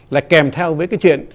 lại kèm theo với cái chuyện